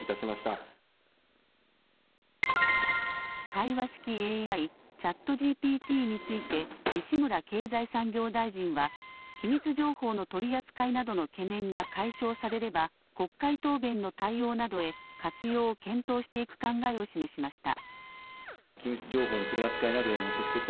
対話式ＡＩ、ＣｈａｔＧＰＴについて、西村経済産業大臣は、機密情報の取り扱いなどの懸念が解消されれば、国会答弁の対応などへ活用を検討していく考えを示しました。